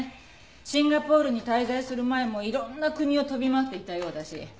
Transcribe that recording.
シンガポールに滞在する前もいろんな国を飛び回っていたようだし。